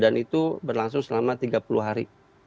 dan itu berlangsung selama tiga puluh hari